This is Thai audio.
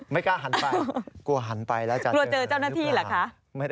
ไม่กล้าหันไปกลัวหันไปแล้วจะเจอ